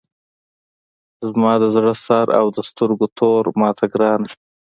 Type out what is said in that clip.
زما د زړه سر او د سترګو توره ماته ګرانه!